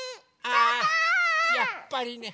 あぁやっぱりね。